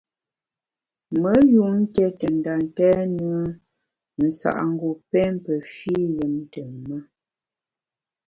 Me yun nké te nda ntèn nùe nsa’ngu pém pe fî yùm ntùm-ma.